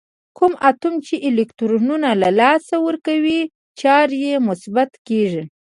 کوم اتوم چې الکترون له لاسه ورکوي چارج یې مثبت کیږي.